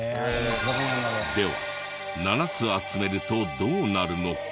では７つ集めるとどうなるのか？